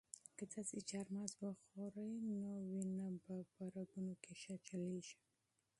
که تاسي چهارمغز وخورئ نو ستاسو وینه به په رګونو کې ښه چلیږي.